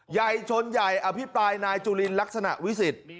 ใหญ่ชนใหญ่อภิปรายนายจุลินลักษณะวิสิทธิ์